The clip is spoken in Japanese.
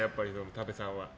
多部さんは。